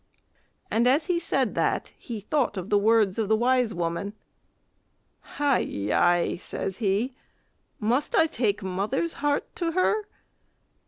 And as he said that, he thought of the words of the wise woman. "Hi, yi!" says he, "must I take mother's heart to her?"